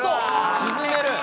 沈める。